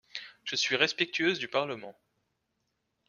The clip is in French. Je suis respectueuse du Parlement.